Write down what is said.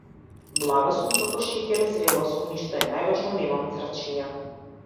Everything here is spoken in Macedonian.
Блага сум како шеќер, зрела сум и што е најважно немам црвчиња.